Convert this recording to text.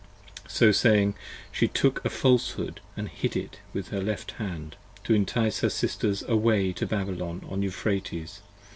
So saying she took a Falshood & hid it in her left hand: To entice her Sisters away to Babylon on Euphrates.